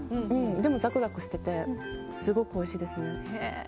でもザクザクしててすごくおいしいですね。